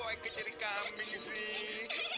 kok eike jadi kambing sih